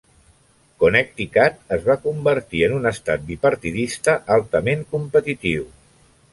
Connecticut es va convertir en un estat bipartidista altament competitiu.